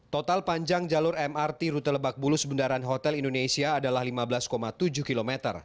total panjang jalur mrt rute lebak bulus bundaran hotel indonesia adalah lima belas tujuh km